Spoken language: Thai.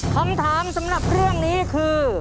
คำถามสำหรับเรื่องนี้คือ